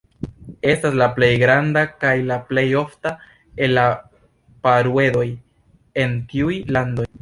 Estas la plej granda kaj la plej ofta el la paruedoj en tiuj landoj.